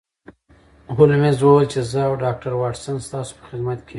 هولمز وویل چې زه او ډاکټر واټسن ستاسو په خدمت کې یو